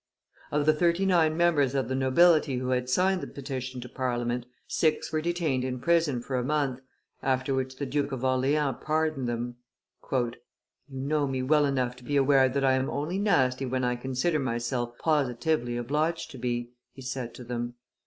Of the thirty nine members of the nobility who had signed the petition to Parliament, six were detained in prison for a month, after which the Duke of Orleans pardoned them. "You know me, well enough to be aware that I am only nasty when I consider myself positively obliged to be," he said to them.